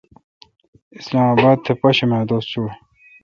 اسلام اباد تھ پاشیمہ دوس چوں ۔